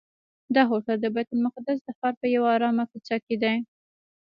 دا هوټل د بیت المقدس د ښار په یوه آرامه کوڅه کې دی.